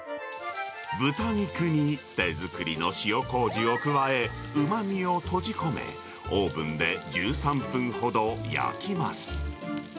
豚肉に手作りの塩こうじを加え、うまみを閉じ込め、オーブンで１３分ほど焼きます。